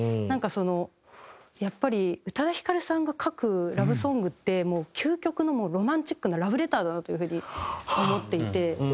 なんかそのやっぱり宇多田ヒカルさんが書くラブソングってもう究極のロマンチックなラブレターだなという風に思っていて。